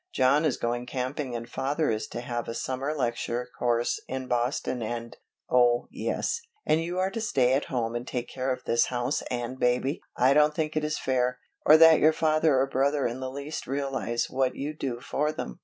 John is going camping and father is to have a summer lecture course in Boston and " "Oh yes, and you are to stay at home and take care of this house and baby! I don't think it is fair, or that your father or brother in the least realize what you do for them.